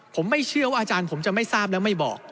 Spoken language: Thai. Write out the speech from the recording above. ผมไม่เชื่อว่าอาจารย์ผมจะไม่ทราบและไม่บอก